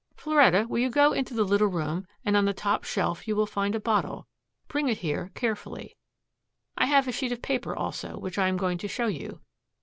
Floretta, will you go into the little room, and on the top shelf you will find a bottle. Bring it here carefully. I have a sheet of paper, also, which I am going to show you.